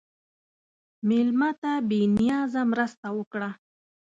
مېلمه ته بې نیازه مرسته وکړه.